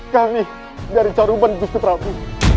kami dari caruban gusti prabu